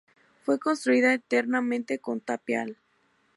Fue construida enteramente con tapial.